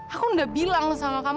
aku gak bilang sama kamu